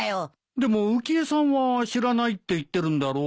でも浮江さんは知らないって言ってるんだろう？